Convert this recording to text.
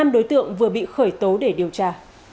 năm đối tượng vừa bị khởi tố để điều tra